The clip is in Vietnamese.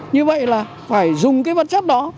như vậy là phải dùng cái vật chất đó